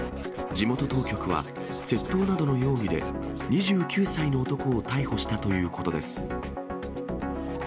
地元当局は、窃盗などの容疑で２９歳の男を逮捕したということです。